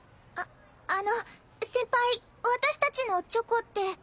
ああの先輩私たちのチョコって。